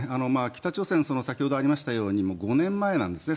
北朝鮮先ほどありましたように５年前なんですね